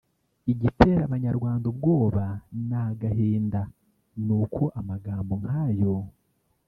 Igitera abanyarwanda ubwoba n’agahinda nuko amagambo nkayo